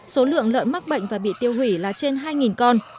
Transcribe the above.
số lượng lợn mắc bệnh và bị tiêu hủy là trên hai con